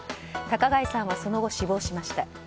高貝さんはその後、死亡しました。